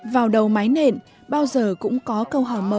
vào đầu mái nện bao giờ cũng có câu hò mờ có tính tự tình